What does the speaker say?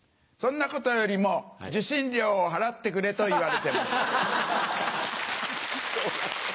「そんなことよりも受信料を払ってくれ」と言われてました。